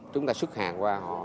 chúng ta xuất hàng qua họ